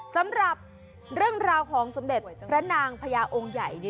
สำหรับเรื่องราวของสมเด็จพระนางพญาองค์ใหญ่